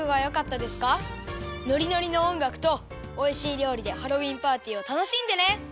ノリノリのおんがくとおいしいりょうりでハロウィーンパーティーをたのしんでね！